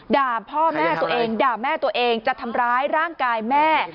ด่าพ่อแม่ตัวเองด่าแม่ตัวเองจะทำร้ายร่างกายแม่